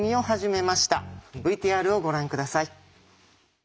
ＶＴＲをご覧下さい。